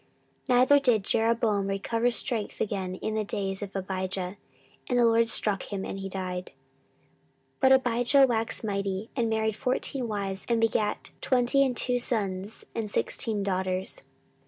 14:013:020 Neither did Jeroboam recover strength again in the days of Abijah: and the LORD struck him, and he died. 14:013:021 But Abijah waxed mighty, and married fourteen wives, and begat twenty and two sons, and sixteen daughters.